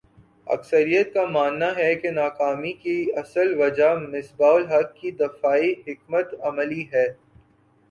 اکثریت کا ماننا ہے کہ ناکامی کی اصل وجہ مصباح الحق کی دفاعی حکمت عملی ہے